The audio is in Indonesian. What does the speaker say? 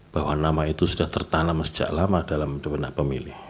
bahwa nama itu sudah tertanam sejak lama dalam pemilih